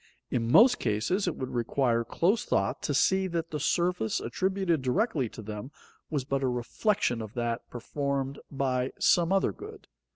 In most cases it would require close thought to see that the service attributed directly to them was but a reflection of that performed by some other good.